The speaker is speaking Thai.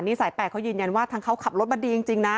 สาย๘เขายืนยันว่าทางเขาขับรถมาดีจริงนะ